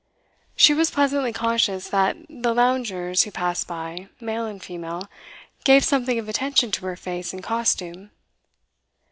She was pleasantly conscious that the loungers who passed by, male and female, gave something of attention to her face and costume.